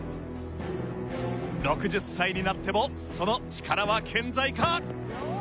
６０歳になってもその力は健在か？